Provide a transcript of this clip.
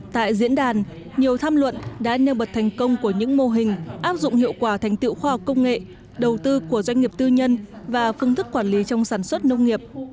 tại diễn đàn nhiều tham luận đã nêu bật thành công của những mô hình áp dụng hiệu quả thành tựu khoa học công nghệ đầu tư của doanh nghiệp tư nhân và phương thức quản lý trong sản xuất nông nghiệp